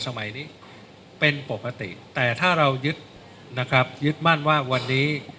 สมัยนี้เป็นปกติแต่ถ้าเรายึดนะครับยึดมั่นว่าวันนี้